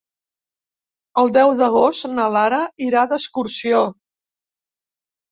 El deu d'agost na Lara irà d'excursió.